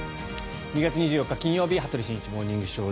２月２４日、金曜日「羽鳥慎一モーニングショー」。